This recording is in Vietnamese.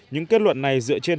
những kết luận này dựa trên